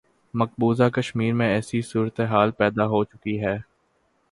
مقبوضہ کشمیر میں ایسی صورتحال پیدا ہو چکی ہے۔